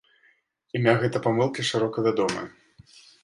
Імя гэта памылкі шырока вядомае.